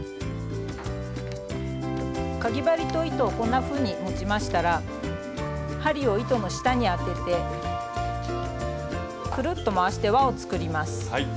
かぎ針と糸をこんなふうに持ちましたら針を糸の下にあててくるっと回して輪を作ります。